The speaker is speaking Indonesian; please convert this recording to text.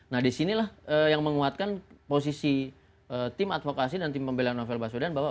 nah di sini lah yang menguatkan posisi tim advokasi dan tim pembelian novel basoidan bahwa